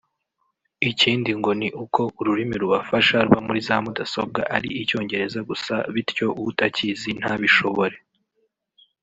ikindi ngo ni uko ururimi rubafasha ruba muri za mudasobwa ari icyongereza gusa bityo utakizi ntabishobore